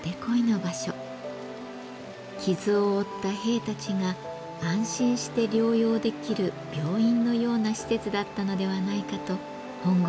傷を負った兵たちが安心して療養できる病院のような施設だったのではないかと本郷さんは言います。